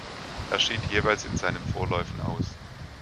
Er schied jeweils in seinen Vorläufen aus.